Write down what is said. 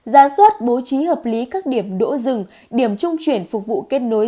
giá suất bố trí hợp lý các điểm đỗ dừng điểm trung chuyển phục vụ kết nối